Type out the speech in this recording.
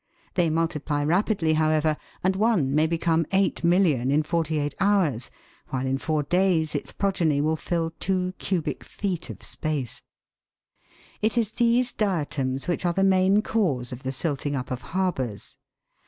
They multiply rapidly, however, and one may become 8,000,000 in forty eight hours, while in four days its progeny will fill two cubic feet of space. It is these diatoms which are the main cause of the silting up of harbours.